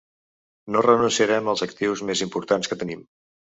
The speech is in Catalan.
No renunciarem als actius més importants que tenim.